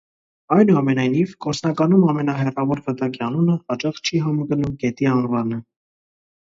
Այնուամենայնիվ, գործնականում ամենահեռավոր վտակի անունը հաճախ չի համընկնում գետի անվանը։